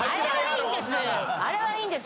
あれはいいんです。